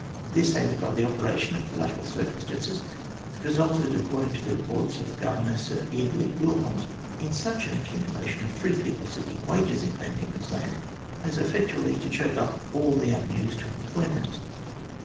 This, aided by the operation of col lateral circumstances, had resulted, according to the reports of Governor Sir Eardley Wilmot, in such an accumulation of free people seeking wages in Van Diemen's Land as effectually to choke up all the avenues to employment.